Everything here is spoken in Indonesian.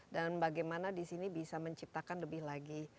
bagaimana di sini bisa menciptakan lebih lagi